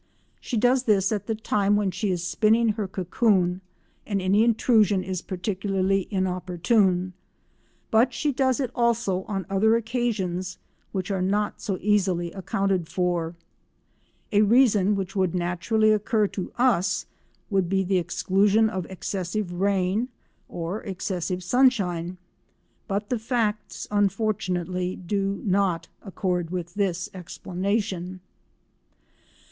She does this at the time when she is spinning her cocoon and any intrusion is particularly inopportune, but she does it also on other occasions which are not so easily accounted for. A reason which would naturally occur to us would be the exclusion of excessive rain or excessive sunshine, but the facts, unfortunately, do not accord with this explanation.